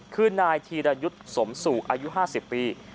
คือนายธีรยุทธ์สมสู่อายุ๕๐ปี